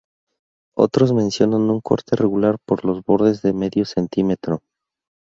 Otros mencionan un corte regular por los bordes de medio centímetro.